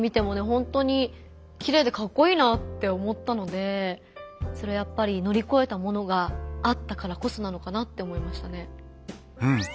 本当にきれいでかっこいいなって思ったのでそれはやっぱり乗り超えたものがあったからこそなのかなって思いましたね。